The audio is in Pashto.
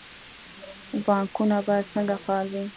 بانکونه باید څنګه فعال وي؟